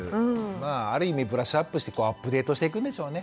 まあある意味ブラッシュアップしてアップデートしていくんでしょうね。